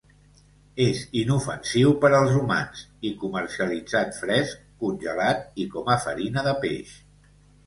És inofensiu per als humans i comercialitzat fresc, congelat i com a farina de peix.